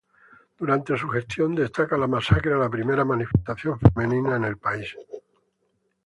Durante su gestión, destaca la masacre a la primera manifestación femenina en el país.